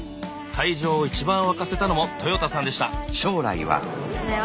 会場を一番沸かせたのも豊田さんでした。